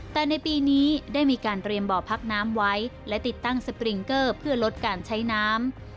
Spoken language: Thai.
แต่ในปีนี้ได้มีการเตรียมบ่อพักน้ำไว้และติดตั้งสปริงเกอร์เพื่อลดการใช้น้ำ